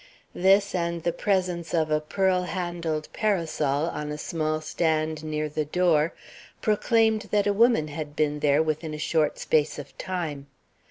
This and the presence of a pearl handled parasol on a small stand near the door proclaimed that a woman had been there within a short space of time.